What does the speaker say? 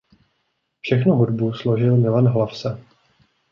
Všechnu hudbu složil Milan Hlavsa.